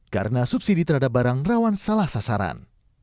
karena subsidi terhadap barang rawan salah sasaran